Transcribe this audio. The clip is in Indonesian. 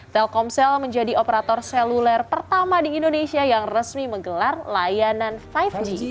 telkomsel menjadi operator seluler pertama di indonesia yang resmi menggelar layanan lima g